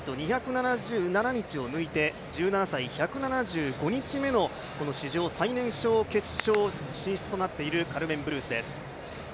１７歳の１７５日目の史上最年少決勝進出となっているカルメン・ブルースです。